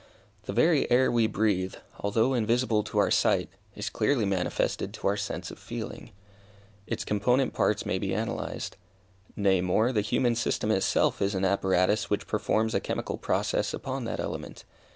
The very air we breathe, although invisible to our sight, is clearly manifested to our sense of feeling. Its component parts may be analyzed. Nay more, the human system itself is an apparatus which performs a chemical process upon that element.